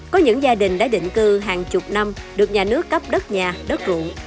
có những gia đình đã định cư hàng chục năm được nhà nước cấp đất nhà đất ruộng